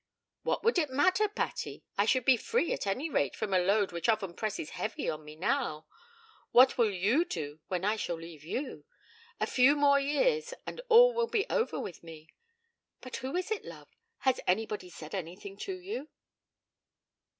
'What would it matter, Patty? I should be free, at any rate, from a load which often presses heavy on me now. What will you do when I shall leave you? A few more years and all will be over with me. But who is it, love? Has anybody said anything to you?'